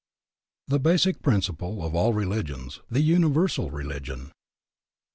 THE BASIC PRINCIPLE OF ALL RELIGIONS THE UNIVERSAL RELIGION.